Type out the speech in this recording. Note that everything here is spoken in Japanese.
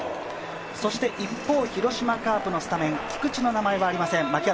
一方、広島カープのスタメン、菊地の名前はありません。